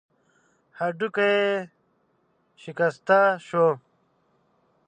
هډوکی يې شکسته شو.